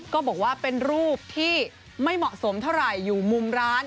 ก็บอกว่าเป็นรูปที่ไม่เหมาะสมเท่าไหร่อยู่มุมร้าน